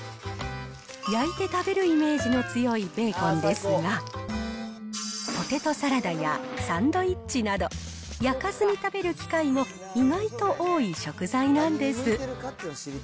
焼いて食べるイメージの強いベーコンですが、ポテトサラダやサンドイッチなど、焼かずに食べる機会も意外と多い食材なんです。